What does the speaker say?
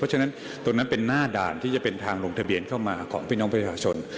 ฉะนั้นตรงนั้นเป็นหน้าด่านที่จะเป็นทางลงทะเบียนเข้ามาของพี่น้องประชาชน